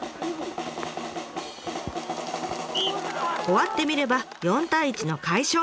終わってみれば４対１の快勝！